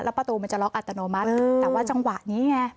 ประตูมันจะล็อกอัตโนมัติแต่ว่าจังหวะนี้ไง